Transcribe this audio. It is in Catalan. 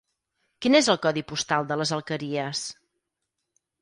Quin és el codi postal de les Alqueries?